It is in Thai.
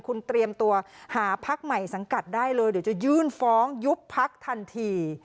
คุณเตรียมตัวหาพักใหม่สังกัดได้เลยเดี๋ยวจะยื่นฟ้องยุบพักทันที